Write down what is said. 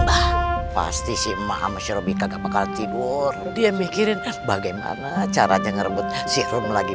bah pasti sih maha mesir obyek apakah tidur dia mikirin bagaimana caranya ngerebut serum lagi